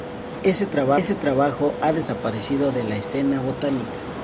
Ese trabajo ha desaparecido de la escena botánica.